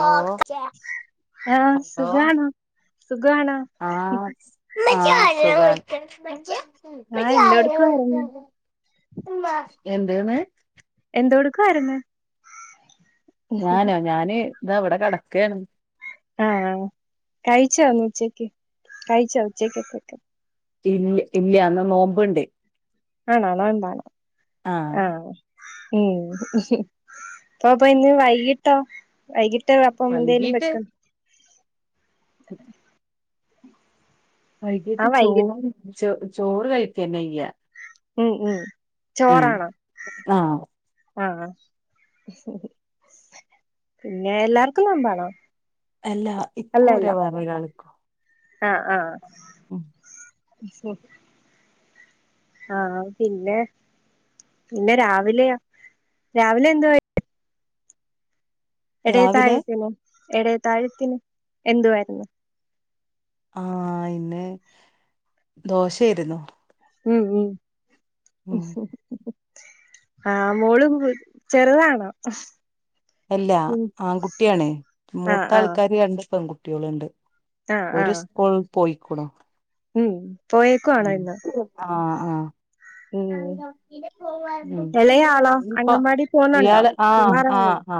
Hello ആഹ് സുഖാണോ സുഖാണോ ആഹ ആസുഖാണ് ആഹ് എന്തെടുക്കുവായിരുന്നു ഉ എന്താണ് എന്തോ കൊടുക്കമായിരുന്നു ഞാനോ ഞാന് ഇാ അവിടെ കടക്കയാണ് ആഹ കഴിചോന്ന് ഉച്ചക്ക് കഴചോഉച്ചക്ക്ച്ചക്ക് ഇല്ല ഇല്ല ന്ന് നോമ്പുണ്ട് ആണോ നോമ്പാണോ ആഹ് ആഹ ഉം അപ്പ അപ്പൊ ഇന്ന് വൈകിട്ടോ വൈകിട്ട് അപ്പം എന്തേലും വെക്കും ഉം വൈകിട്ട് ചോറ് ചോ ചോറ് കഴത്തിന്നെ യ്യാ ഉം ഉം ചോറാണാ ആഹ് ആഹ് ആഹ് പിന്നെ എല്ലാർക്കും നോമ്പാണോ അല്ല ഇക്കും അല്ലല്ല ഒര് വേറൊരാള് ആഹ് ആഹ് ഉം [unintelligible] ആഹ് പിന്നെ പിന്നെ രാവിലെയ രാവിലെ എന്ത് കഴി എടേ രാവിലെ താഴത്തിന് എടേ താഴത്തിന് എന്തുവാര്ന്നു ആഹ് ഇന്ന് ദോശേരുന്നു ഉം ഉം ആഹ് മോളും കു ചെറുതാണോ അല്ല ഉം ആൺകുട്ടിയാണ് ആഹ് മൂത്ത ആഹ് ആൾക്കാര് രണ്ട് പെൺകുട്ടികളുണ്ട് ആഹ് ഒരു ആഹ് സ്കൂള്ൽ പോയിക്കൂ ണു ഉം പോയേക്കു ആണോ ഇന്ന് ആഹ് ആഹ് ഉം ഉം ഇളയാളോ ഇനിപ്പൊ അംഗൻവാടി പോന്നുണ്ടോ ഇയാള് ആഹ് പോവാറായോ ആഹ് ആ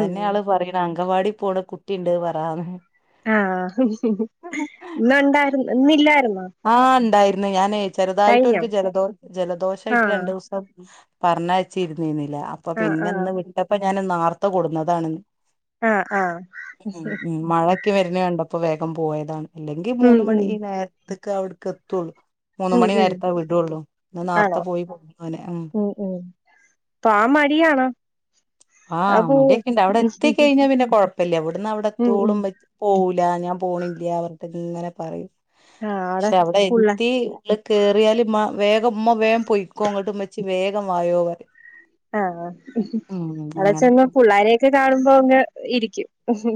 ഉം ആള് പറയണ അങ്കവാടി പോണ കുട്ടി ഉണ്ട് പറാന്ന് ആഹ് ഇന്നൊണ്ടാര്ന്ന് ഇന്നില്ലാരുന്നോ ആഹ് ഉണ്ടാര്ന്ന് ഞാനേ ചെറുതായിട്ട് ഓര്ക്ക് ജലദോഷ ജലദോഷായിട്ട് ആഹ് രണ്ട് ദിവസം പറഞ്ഞയച്ചിരുന്നിന്നില്ല ആഹ് ആഹ് അപ്പൊപിന്നെന്ന് വെ ത്തപ്പ ഞാൻ ഇന്ന് നേർത്ത കൂടുന്നതാണ് ഇന്ന്. ആഹ് ആഹ് ഉം മഴ ക്ക് വരുന്ന കണ്ടപ്പോ വേഗം പോയതാണ് അല്ലെങ്കി ഉം മൂന്ന് മണി ഉം ഈ നേരത്ത്ക്ക് അവിടക്ക് എത്തോള്ളു മൂന്ന് ഉം മണി ഉം നേരത്തെ വിടോള്ളൂ. ഇന്ന് ആണോ നേർത്തേ പോയി [unintelligible] ഓനെ ആഹ് ഉം പോവാൻ മടിയാണോ അത് ആഹ് പോവോ മടീക്കെ ണ്ട് അവിടെ ഉം എത്തിക്കഴിഞ്ഞാ പിന്നെ കൊഴപ്പല്ല. ഇവിടന്ന് ഉം ഉം അവിടെത്തോളും വെ പോഊല ഞാൻ പോണില്ല പറഞ്ഞിട്ട് ഇങ്ങനെ പറയും. ആഹ് ക്ഷെ അവിടെ പുള്ള എത്തി ള്ള് കേറിയാല് ഇമ്മ വേഗം ഉമ്മ വേഗം പൊയ്ക്കോ അങ്ങോട്ട് ഉമ്മച്ചി വേഗം വായോ പറയും ആഹ് അ ഉം അവിടെ ചെന്ന് അങ്ങനൊക്കെ പുള്ളാരെക്കെ കാണുമ്പോ അങ്ങ് ഇരിക്കും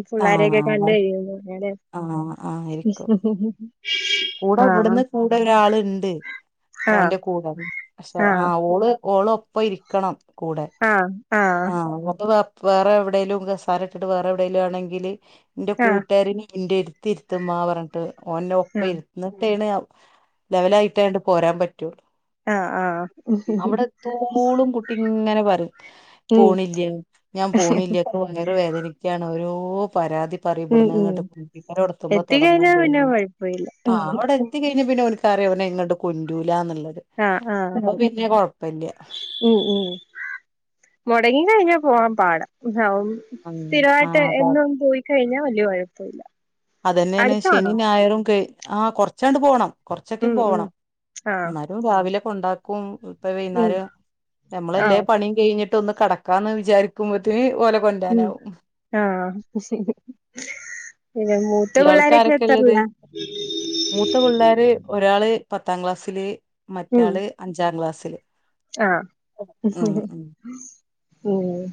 പുള്ളാരെക്കെ ആഹ് കണ്ട് കഴിയുമ്പോന്നു അല്ലെ ആഹ് അങ്ങനെ കൂട ആഹ് ഇവിടുന്ന് കൂടെ ഒരാള്ണ്ട് ആഹ് ഓന്റെ കൂടപക്ഷെ ആഹ് ഓള് ഓള ഒപ്പം ഇരിക്കണം കൂടെ ആഹ് [unintelligible] വേറെ എവിടേലും ഒക്ക കസേര ഇട്ടിട്ട് വേറെ എവിടേലും ആണങ്കില് ൻ്റെ ആഹ് കുട്ടുകാരനെ ഇന്റെ ത്തി രുത്തുമ്മാ പറഞ്ഞിട്ട് ഓൻ്റെ ഒപ്പം ഇരു ആഹ് എന്നിട്ടേണ് ഔ ലെവലായിട്ട് അണ്ട് പോരാൻ പറ്റോള്ളൂ ആഹ് ആഹ് അവിടെ എത്തോളും കുട്ടി ഇങ്ങനെ പറയും ഉം പോണില്ല ഞാൻ പോണില്ല ഇക്ക് വയറു വേദനിക്കാണ്. ഓരോ പരാതി ഉം പറയപ്പെടുന്ന ഉം കാട്ടീം ഇങ്ങോട്ട് പിക്ക എത്തുമ്പ എത്തിക്കഴിഞ്ഞാ തൊടങ്ങുമ്പോഴ് പിന്നെ [unintelligible] കൊഴപ്പമില്ല ആഹ് അവിടെ എത്തി കഴിഞ്ഞാ പിന്നെ ഓന് ക്കറിയോ ഓനെ ഇങ്ങട് കൊണ്ടൂലാന്ന്ള്ളത് ആഹ് ആഹ് ഉം ഉം മൊടങ്ങി കഴിഞ്ഞാ പോവാൻ പാടാ [unintelligible] ആഹ് സ്ഥിരായിട്ട് അതാണ് എന്നും പോയി കഴിഞ്ഞാ വല്യ കൊഴപ്പ ഇല്ല അതന്നെയാണ് ശനീം ഞായറും ക ആ കൊറച്ചാണ്ട് പോകണം കൊറച്ചൊക്കെ ഉം ഉം പോണം ആഹ് ന്നാല് ഇതും രാവിലെ ക്കെണ്ടാക്കും ഇപ്പ ഉം വയ്യ്ന്നേരം ഞമ്മളെല്ലേ ആഹ് പണിയും കഴിഞ്ഞ് ട്ട് ഒന്ന് കെടക്കാന്ന് വിചാരിക്കുമ്പോത്തേന് ഓലെ കൊണ്ടാരനാവും ആഹ പിന്നെ മൂത്ത ഇയാൾക്ക് പിള്ളോരൊക്ക ആരൊക്കെള്ളത് എത്തറില്ല മൂത്ത പിള്ളോര് ഒരാള് പത്താം ക്ലാസില് മറ്റാള് അഞ്ചാം ക്ലാസ്സില് ആഹ ഉം ഉം ഉം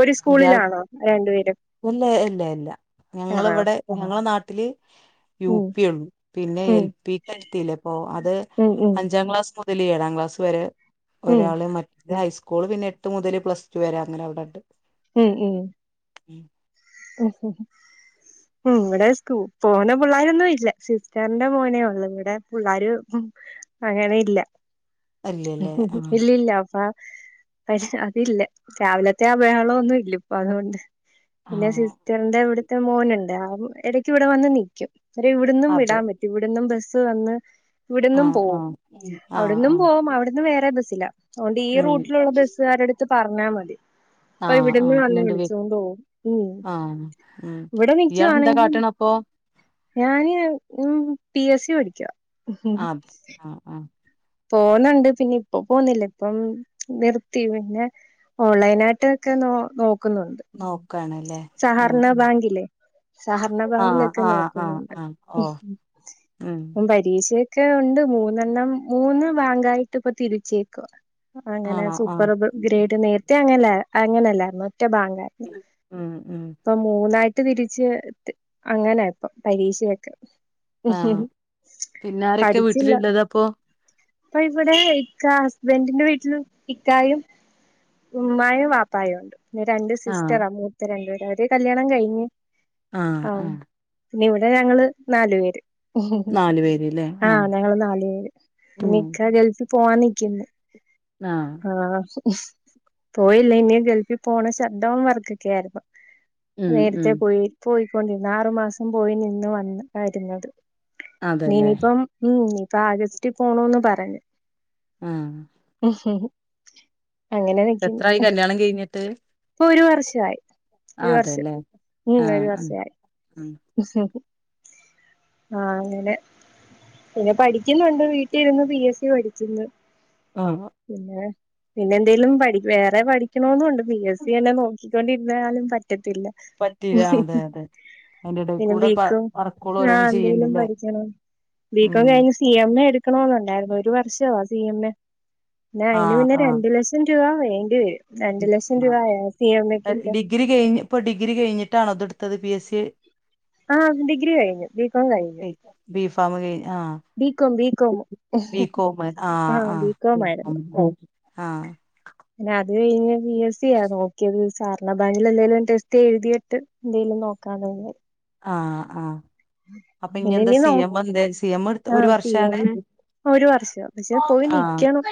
ഒരു ഇയാൾക്ക് സ്കൂളിലാണോ രണ്ടു പേരും ഇല്ല ഇല്ല ഇല്ല ഞങ്ങൾ ഇവിടെ ഞങ്ങളെ നാട്ടില് യു ഉം പി ഒള്ളു പിന്നെ ഉം എൽ പിക്ക്ത്തില്ലേ അപ്പൊ അത് ഉം ഉം അഞ്ചാം ക്ലാസ് മു തിൽ ഏഴാം ക്ലാസ് വരെ ഉം ഒരാള് മറ്റ ഹൈസ്കൂള് പിന്നെ എട്ട് മുതൽ പ്ലസ്ടു വരെ അങ്ങനെ അവിടണ്ട് ഉം ഉം [inaudible] ഓഹ ഉ ഇവിടെ സ്കൂ പോണേ പിള്ളോരൊന്നും ഇല്ല സിസ്റ്ററിന്റെ മോനെ ഉള്ളൂ ഇവിടെ പിള്ളേർ ഉം അങ്ങനെ ഇല്ല ഇല്ലല്ലേ ആഹ് ഇല്ലല്ല അപ്പാ പക്ഷെ അതില്ല രാവിലത്തെ ആ ബഹള ഒന്നും ഇല്ല ഇപ്പൊ അതുകൊണ്ട് പിന്നെ ആഹ് സിസ്റ്ററിന്റെ ഇവിടുത്തെ മോനുണ്ട് ആ ഇടയ്ക്ക് ഇവിടെ വന്ന് നിൽക്കും അവരെ ഇവിടന്നും അതെ വിടാൻ പറ്റും ഇവിടന്നും ബസ്സ് വന്ന് ഇവിടന്നും ആഹ് പോവും ആഹ് ആഹ് അവിടന്നും ആഹ് പോവും അവിടന്നും വേറെ ബസ്സില്ല അവുണ്ട് ഈ ഉം റൂട്ടിലുള്ള ബസ്സുകാര എടുത്ത് പറഞ്ഞാ മതി അപ്പൊ ആഹ് ഇവിടെന്ന് ആഹ് വന്ന് ഇങ്ങണ്ട് വെ വിളിച്ചൊണ്ട് പോകവും ഉ ആഹ് ഉം ഇവിടെ ഇയാളെന്താ നിക്കുവാണെങ്കിൽ കാട്ടണ അപ്പൊ ഞാന് ഉ പി എസ് സി പഠിക ആത് ആ ആ പോന്നുണ്ട് പിന്നെ ഇപ്പൊ പോന്നില്ല ഇപ്പം നിർത്തിന് ന്നെ ഓൺലൈന ആയിട്ട്ക്കെ നോ നോക്കുന്നുണ്ട് നോക്കണല്ലേ ആ സഹകരണ ബാങ്കിലെ സഹകരണ ബാങ്കിലൊക്കെ ആഹ് നോക്കുന്നുണ്ട് ആഹ് ഓ ഉം വിദേശയൊക്കെ ഉണ്ട് മൂന്നെണ്ണം മൂന്ന് ബാങ്കായിട്ട് ഇപ്പ തിരിച്ചേ ക്കെ അങ്ങനെ ആണോ ആഹ് സൂപ്പർ ഗ്രേഡ് നേരത്തെ അങ്ങന അങ്ങനെയല്ലായിരുന്നു ഒറ്റ ബാങ്ക ഉം ഉം ഇപ്പ മൂന്നായിട്ട് തിരിച്ച് അങ്ങനെപ്പ പരീക്ഷയൊക്കെ ഹ് ആഹ് ഹ് പിന്നെ ആരൊക്കെ പഠിച്ചില്ല വീട്ടിലുള്ളത് അപ്പൊ ഇപ്പൊ ഇവിടെ ഇക്ക ഹസ്ബൻറിന്റെ വീട്ടിലും ഇക്കായും ഉമ്മായും വാപ്പായും ഉണ്ട് പിന്നെ രണ്ട് ആഹ് സിസ്റ്ററാ മൂത്ത രണ്ടു പേര് അവര് കല്യാണം കഴിഞ്ഞഞ് ആഹ് ആഹ ആഹ് പിന്നെ ഇവിടെ ഞങ്ങള് നാലു പേര് നാലു പേര്ല്ലേ ആഹ് ഞങ്ങള് നാല് പേര് ഉം ഇനിക്ക ഗൾഫിൽ പോവാൻ നിക്കുന്നു ആഹ് ആ പോയില്ല ഇനി ഗൾഫിൽ പോണ ഷട്ട്ഡൗൺ വർക്കൊക്കെ ആയിരുന്നു ഉം ഉം നേരത്തെ പോയി പോയിക്കൊണ്ടിന്ന ആറു മാസം പോയി നിന്ന് വന്നതയിരുന്നത് അതല്ലേ ഇീനിയിപ്പം ം ഞിപ്പൊ ആഗസ്റ്റ് പോണോന്ന് പറഞ്ഞ്. ആ ഹ് അങ്ങനെ നിക്കിന്ന് എത്രായി ഹ് കല്യാണം കഴിഞ്ഞിട്ട് ഇപ്പൊ ഒരു വർഷായി ഒരു വർഷം ം ഒരു വർഷായി. ഉം [inaudible] ഹ് ഹ് ആ അങ്ങനെ. പിന്നെ പഠിക്കുന്നുണ്ട് വീട്ടീരുന്ന് പിഎസ് സി പഠിക്കുന്നു. ആ ഹ പിന്നെ പിന്നെ എന്തേലും പഠി വേറെ പഠിക്കണന്നൊണ്ട് പി എസ് സി എല്ലാം നോക്കിക്കൊണ്ടി ന്നാലും പറ്റത്തില്ല. പറ്റീലാ അതെ അതെ പിന്നെ അതിന്റെടേകൂടെ വ വർക്കോളൊ ഓരോന്നും ചെയ്ണ്ട്ല്ലേ? [unintelligible] ഹെലോ ബി കോം കഴിഞ്ഞ് സി എം എ എടുക്കണൊന്നുണ്ടായിരുന്നു. ഒരു വർഷ വാ സി എം എ. അയിന് ആഹ് പിന്നെ ആഹ് രണ്ട് ലക്ഷം രൂപ വേണ്ടി വരും. രണ്ട് ലക്ഷം രൂപ ആഹ് ആയോ സി എം മെ കൊക്കെ? ഡിഗ്രി കഴിഞ് പ്പോ ഡിഗ്രി കിഞ്ഞിട്ടാണോ ത്ട്ത്തത്? പി എസ് സി ആഹ് ഡിഗ്രി കഴിഞ്ഞു. ബികോം കഴിഞ്ഞു. ബീഫാമ് കഴി ആഹ് ബികോം ബികോം ബി കോമ് ആഹ് ആഹ് ബികോം ആഹ് പിന്നെ അത് കഴിഞ്ഞ് പി എസി യാ നോക്കേത് സാർള ബാങ്കില്ലെ എന്തേലും ടെസ്റ്റ് എഴുതിയിട്ട് എന്തേലും നോക്കാന്ന്. ആഹ് അ അപ്പൊ ഞി പിന്നെ എന്ത ഇനി സി നോ എമ്മന്തേ സി എമ്മ്ട്ത്ത് ഒരു ആഹ് സി എം വർഷാണ്. എ ഒരു വർഷം പക്ഷെ പോയി ആഹ് നൽക്കണം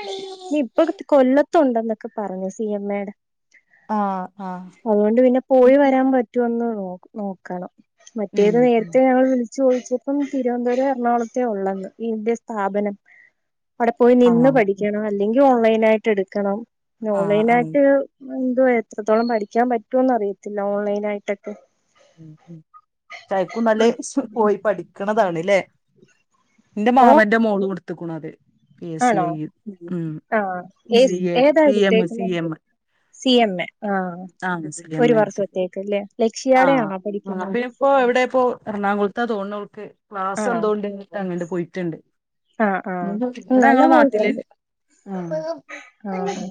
ഇനി ഇപ്പോ കൊല്ല ത്തുണ്ടന്നൊക്കെ പറഞ്ഞു സി എമ്മേടെ ആഹ് ആഹ് അതുകൊണ്ട് പിന്നെ പോയി വരാൻ ഉം പ റ്റോന്ന് നോക്കണം മറ്റേത് നേരി ഉം ഞങ്ങള് വിളിചോദിച്ചപ്പം തിരുവന്തപുരം എറണാകുളത്തേ ഉള്ളെന്ന് ഇതിന്റെ സ്ഥാപനം. അവിടെ പോയി ആഹ് നിന്ന് പഠിക്കണം അല്ലെങ്കി ഓൺലൈനായിട്ട് എടുക്കണം ആഹ് ഓൺലൈനായിട്ട് എന്തോ എത്രത്തോളം പഠിക്കാൻ പറ്റോന്നറിയത്തില്ല ഓൺലൈനായിട്ടൊക്കെ. അ? യ്ക്കും നല്ലേ പോയി പഠിക്ക്ണതാണ്ല്ലേ ന്റെ ഓ മാമന്റെ മോളുട്ത്തുക്കുണത്. പി എസ് സി ആണോ ഐയ്യ് ഉം ആഹ് സി എ ഏതാ സി എമ്മ് സി എടുത്തേക്കുന്നത് എമ്മ്. സി എം എ ആഹ് സി എം ഒരു എ എടുത്ത് വർഷത്തേക്ക്ല്ലേ ലക്ഷ്യാടെ ആണോ പഠിക്കുന്ന? ഇപ്പൊ എവിടെപ്പോ എറണാകുളത്ത തോന്ന്ണോൾക്ക് ക്ലാസ് ആണോ എന്തോ ണ്ട് അങ്ങ്ട്ട് പോയിറ്റ്ണ്ട്. ആഹ് ആ നല്ല കോഴ്സാൺത്. ആ ആഹ്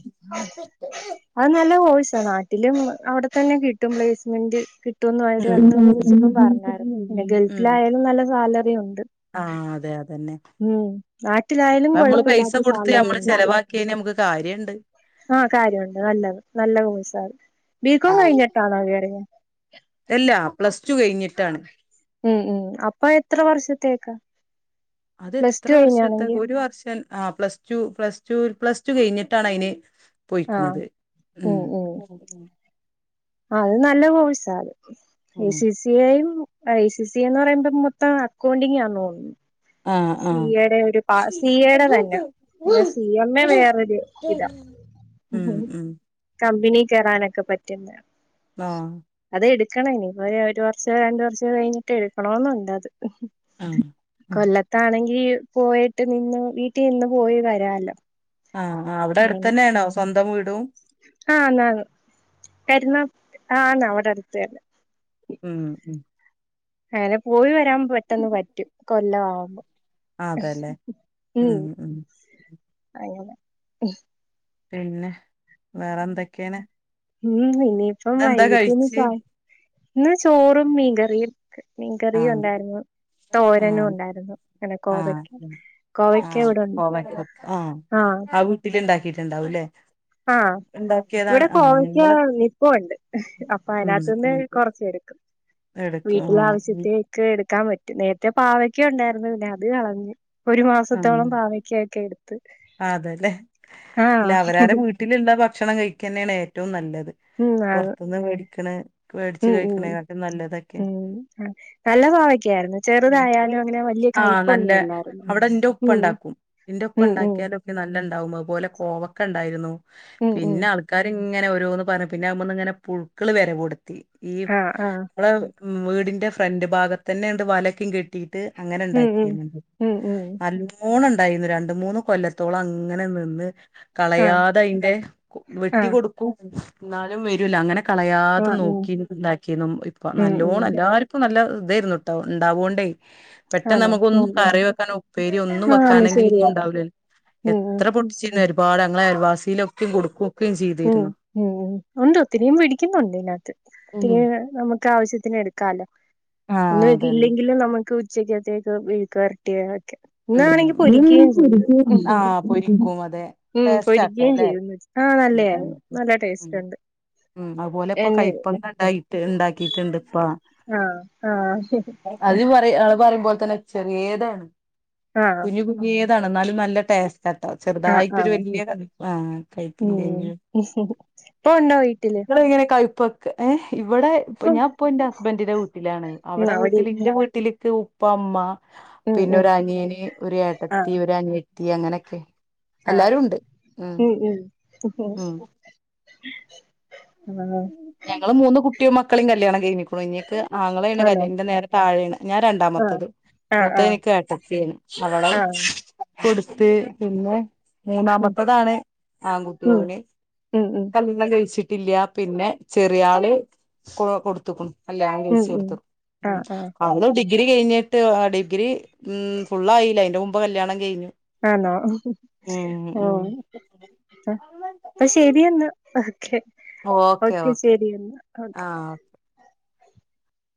അത് നല്ല കോഴ്സാണ് നാട്ടിലും അവിടെ തെന്നെ കിട്ടും പ്ലേയിസ്മെന്റ്. കിട്ടുന്നും ഉം അന്ന് വിളിച്ചിപ്പം പറഞ്ഞാരുന്നു പിന്നെ ഉം ഗൾഫിലായാലും നല്ല സാലറിയുണ്ട്. ആഹ് അതെ അതന്നെ ഉം നാട്ടിലായാലും കൊഴപ്പില്ലാത്ത സാലറിണ്ട്. കേ നമുക്ക് കാര്യണ്ട് ആഹ് കാര്യോണ്ട് നല്ലത് നല്ല കോഴ്സാത് ബീക്കോം കഴിഞ്ഞ [unintelligible] ട്ടാ നാല് വരഞ്ഞേ എല്ലാ പ്ലസ് ടു കഴിഞ്ഞിട്ടാണ്. ം ം അപ്പൊ എത്ര വർഷത്തേക്കാ? അത് പ്ലസ് എത്ര ടു വർഷത്തെ കഴിഞ്ഞാണെങ്കിൽ ഒരു വർഷം ആ plus two plus two plus two കഴിഞ്ഞിട്ടാണ് അയിന് ആഹ് പോയിക്ണത് ഉം ം ഉം ആ അത് നല്ല കോഴസാത്. ഐ സി ഉം C C എയെം I C C A എന്നറയുമ്പോ മൊത്തം അക്കൗണ്ടിംങാ തോന്നുന്നു. ആഹ് സി ആഹ്. എയുടെ ഒരു പാ സി എയുടെ തന്നെ പിന്നെ സി എം എ വേറൊരു ഇതാ ം ം കമ്പനി കേയറാനൊക്കെ പറ്റൊകാരം ആഹ അത് എടുക്കണം ഇനി ഒരു വർഷോ രണ്ട വർഷോ കഴിഞ്ഞിട്ട് എടുക്കണോന്നുണ്ട അത് ആഹ കൊല്ലത്താണെങ്കി പോയിട്ട് നിന്ന് വീട്ടിൽ നിന്ന് പോയി വരാല്ലോ ആഹ ആഹ അവിടെ അടുത്തന്നേണോ സ്വന്തം വീടും ആഹ് എന്നാണ് കരുന്നാ ആഹ അവിടെ അടുത്തെന്നെ ഉം മ് അങ്ങനെ പോയി വരാൻ പെട്ടെന്ന് ഉം പറ്റും കൊല്ലമാവുമ്പോ അതെല്ലേ ഉം അങ്ങനെ പിന്നെ വേറെന്തൊക്കെണ് ഉം ഇനിയിപ്പം വൈകിട്ടിനി കഴിച്ച് ചായ് ഇന്ന് ചോറും മീകറിയു മീൻകറിയും ആഹ് ഉണ്ടായിരുന്നു തോരനും ആഹ് ഉണ്ടായിരുന്നു പിന്നെ കോവക്കേം ആഹ് ആഹ് കോവക്ക് ആഹ് ആ വീട്ടില് ഇണ്ടാക്കിട്ടുണ്ടാവുംല്ലെ ആഹ ഇവിടെ കോവയ്ക്കാ നിപ്പുണ്ട് അപ്പൊ ഉം അതിനകത്തുന്ന് കൊറച് എടുക്കും എടുക്കും ആഹ് വീട്ടിലാവശ്യത്തി ക്കെ എടുക്കാൻ പറ്റും നേരത്തെ പാവക്ക ഉണ്ടായിരുന്നു അത് കളഞ് ഒരു മാസത്തോളം പാവ ആഹ് കേക്ക എടുത്ത് അതെല്ലേ ആഹ അല്ല അവരാരെ വീട്ടിലുള്ള ഭക്ഷണം കഴിക്കന്നെണ് ഏറ്റോം നല്ലത് ഉം ആണ് പുറത്തുന്ന് മേടിക്കണ് ഉം ഉം ഉം നല്ല കോവക്കാരുന്നു ചെറുതായാലും അങ്ങനെ വല്യ ആഹ് നല്ല അവടെ ന്റെ ഉപ്പ ഇണ്ടാക്കും ന്റെ ഒപ്പ ഉം ഉം ഉണ്ടാക്കി ക്ക നല്ലണ്ടാവും അതുപോലെ കോവക്കണ്ടായിരുന്നു ഉം ഉം പിന്നെ ക്കാർ ങ്ങനെ ഓരോന്ന് പറിം പിന്നെ അയ്മ്മന്ന് ഇങ്ങനെ പുഴുക്കള് വരവ് തൊടത്തി ഈ ആഹ് ആഹ് നമ്മള് ഉം വീടിന്റെ ഫ്രണ്ട് ഭാഗത്തന്നെ ന്ട്ട് വലകെയ് ട്ടീട്ട് അങ്ങനെ ഉം ഉം ഇണ്ടാക്കിരുന്നുണ്ട് ഉം ഉം നല്ലൂണം ഉണ്ടായിരുന്നു രണ്ട് മൂന് കൊല്ലത്തോളം അങ്ങനെ നിന്ന് ആ കളയാതെ അയ്ന്റെ കൊ ആ വെട്ടി മ്മ് ന്നാലും വരൂല്ലോ അങ്ങനെ ആ കളയാതെ ഉം നോക്കി ഇണ്ടാക്കീര്ന്നു ഇപ്പ ഉം ഉം നല്ലോണം എല്ലാ നല്ല ഇതാര്ന്നു ട്ടോ ഇണ്ടാവോണ്ടേ പെട്ടന്ന് ആണോ നമ്മക്കൊന്നും ഉം ഉം കറി വെക്കാനോ ഉപ്പേര്യോ ഒന്നും ആന്ന് വെക്കാല്ലെങ്കി ശരിയാ ഇണ്ടാവുല്ലെ ഉം ഉം എത്ര പൊട്ടിച്ചീന്ന് ഒരുപാട് ഞങ്ങളെ അയൽവാസിലൊക്കെ കൊടുക്കു ഉം ഉം ഉണ്ട് ഒത്തിരിയും പിടിക്കുന്നുണ്ട് ഇതിനാത്ത് ഉം ട്യ നമക്ക് ആവശ്യത്തിന് എടുക്കാലോ ആഹ് ഒന്നും അതന്നെ ഇല്ലെങ്കിലും നമക്ക് ഉച്ചക്കത്തേക്ക് ബീഫ് വരട്ടിയതൊക്കെ ഉം [inaudible] ആ പൊരിക്കും അതെ ഉം ടേസ്റ്റാ ട്ടോ പൊരിക്കുകയും ല്ലെ ചെയ്തു ആ [inaudible] നല്ലയായിരുന്നു നല്ല ഉം ടേസ്റ്റ് ഉണ്ട് ഉം അഹ്പോലെ ഇപ്പോ എന്നെ കയപ്പ ഇണ്ടായ് [inaudible] ഇണ്ടാക്കിട്ണ്ട് ഇപ്പ ആഹ ആഹ ശരി അദ് ഇവർ പറയുമ്പോൽ തന്നെ ചെര്യേതാണ് ആ കുഞ്ഞു കുഞ്യേതാണ് ഇന്നാലും നല്ല ടേസ്റ്റ് റ്റാട്ടോ ആ ആ ചെറുതായിട്ടൊരു വല്യ ആഹ കയ് പ്പ് ഇണ്ടെങ്കിലും ഇപ്പ ഉണ്ടോ വീട്ടില് ഇങ്ങളിങ്ങനെ കളിപ്പ് ഏ ഇവടെ പ്പൊ ഇപ്പം ഞ ഞാ ഇപ്പന്റെ ഹസ്ബന്റിന്റെ വീട്ടിലാണ് അവിടെ വീട്ടിൽ ട്ടിലിപ്പോ ഉപ്പ ഉമ്മ ഉം പിന്നെ ഉം ഒരു അനിയന് ഒരു ആ ഏട്ടത്തി ഒരു അനിയത്തി അങ്ങനെയൊക്കെ ആ അല്ലാരും ഉണ്ട് ഉം ഉം [inaudible] ഞങ്ങള് മൂന്ന് കുട്ടിയും മക്കളേം കല്യാണം കയ്ഞ്ഞു ഞ്ഞിക്ക് ആങ്ങളെണ് കല്യ ആണോ ന്റെ നേരെ താഴെണ് ഞാ ആ രണ്ടാമത്തത് ആ മൂത്ത ആ എനിക്ക് ഏട്ടത്തി അവളെ ആ കൊടുത്ത് പിന്നെ ഉം മൂന്നാമത്തതാണ് ആകുട്ടി ഉം ഒന് ഉം ഉം കല്യാണം കഴിച്ചിട്ടില്ല പിന്ന ചെറിയാളീം കൊ കൊടുത്തുക്കുണ് കല്യാണം ഉം കയിച് ഉം കൊടുത്ത ആ ആ അന്നും ഡിഗ്രി കഴിഞ്ഞിട്ട് ഡിഗ്രി ഉം ഫുള്ളയില്ല അയിന്റെ മുമ്പ് കല്യാണം കഴിഞ്ഞു ആണോ ഉം മ്മ്ഹ് ഉം ആഹ് അ പ്പൊ ശരിയെന്ന ഓക്കെ ഓക്കെ ശരിയന്ന ആഹ്